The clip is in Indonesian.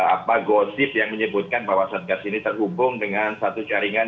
apa gosip yang menyebutkan bahwa satgas ini terhubung dengan satu jaringan